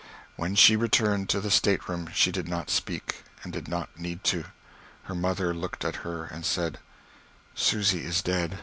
When she returned to the stateroom she did not speak, and did not need to. Her mother looked at her and said: "Susy is dead."